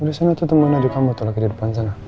udah sana tuh temen aja kamu atau lagi di depan sana